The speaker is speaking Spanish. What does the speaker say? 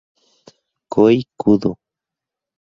Kohei Kudo